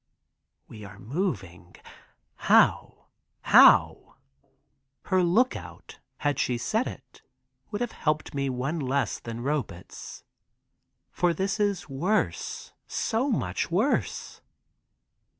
We are moving—how, how? Her "look out," had she said it, would have helped one less than Robet's. For this is worse—so much more worse.